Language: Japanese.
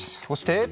そして。